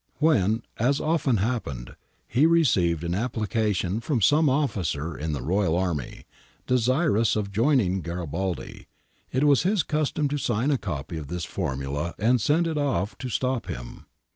When, as often happened, he received an application from some officer in the royal army, desirous of joining Garibaldi, it was his custom to sign a copy of this formula and send it off to stop him.